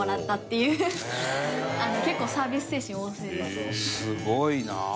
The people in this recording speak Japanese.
すごいな。